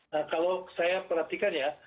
nah kalau saya perhatikan ya